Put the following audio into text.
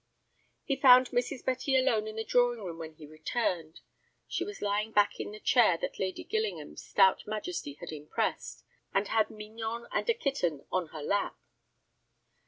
He found Mrs. Betty alone in the drawing room when he returned. She was lying back in the chair that Lady Gillingham's stout majesty had impressed, and had Mignon and a kitten on her lap.